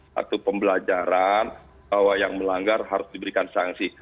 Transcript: satu pembelajaran bahwa yang melanggar harus diberikan sanksi